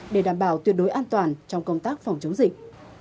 để đảm bảo tuyệt đối an toàn trong công tác phòng chống dịch